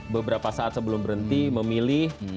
beberapa saat sebelum berhenti memilih